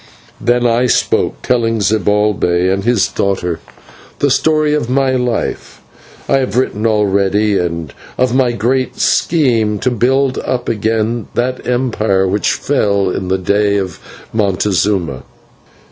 Then I spoke, telling to Zibalbay and his daughter the story of my life, whereof I have written already, and of my great scheme to build up again that empire which fell in the day of Montezuma.